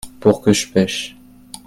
pour que je pêche.